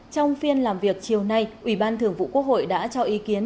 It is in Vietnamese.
trong phiên làm việc chiều nay ủy ban thường vụ quốc hội đã cho ý kiến